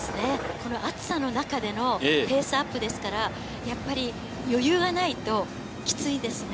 この暑さの中でのペースアップですから、余裕がないと、きついですね。